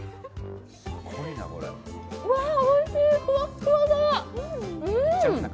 わ、おいしい、ほわっほわだ。